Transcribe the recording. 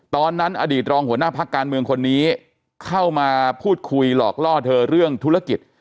อดีตรองหัวหน้าพักการเมืองคนนี้เข้ามาพูดคุยหลอกล่อเธอเรื่องธุรกิจ